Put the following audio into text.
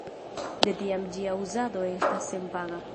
De tiam ĝia uzado estas senpaga.